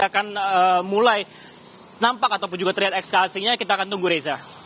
akan mulai nampak ataupun juga terlihat ekskalasinya kita akan tunggu reza